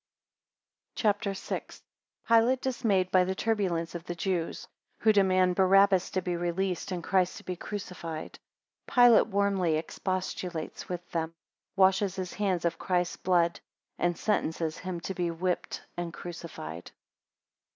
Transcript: CHAPTER VI. 1 Pilate dismayed by the turbulence of the Jews, 5 who demand Barabbas to be released, and Christ to be crucified. 9 Pilate warmly expostulates with them, 20 washes his hands of Christ's blood, 23 and sentences him to be whipped and crucified.